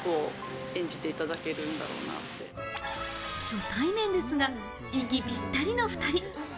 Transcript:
初対面ですが息ぴったりのお２人。